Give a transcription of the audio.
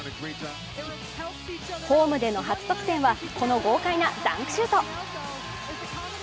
ホームでの初得点はこの豪快なダンクシュート。